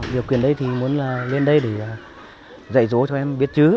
điều kiện đây thì muốn là lên đây để dạy dối cho em biết chứ